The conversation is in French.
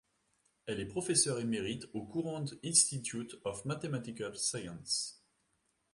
Elle est professeure émérite au Courant Institute of Mathematical Sciences.